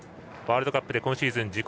ワールドカップで今シーズン